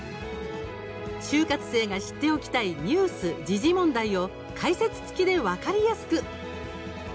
就活生が知っておきたいニュース・時事問題を解説付きで分かりやすく！